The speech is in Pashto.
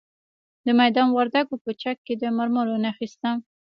د میدان وردګو په چک کې د مرمرو نښې شته.